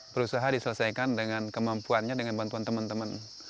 berusaha diselesaikan dengan kemampuannya dengan bantuan teman teman